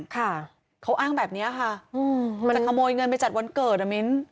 ค่ะเขาอ้างแบบนี้ค่ะมันจะขโมยเงินไปจัดวันเกิดอ่ะมิ้น